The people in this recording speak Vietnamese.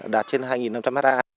đạt trên hai năm trăm linh ha